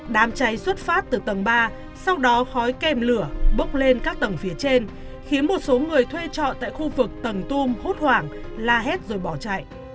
đám cháy xuất phát từ tầng ba sau đó khói kèm lửa bốc lên các tầng phía trên khiến một số người thuê trọ tại khu vực tầng tung hút hoảng la hét rồi bỏ chạy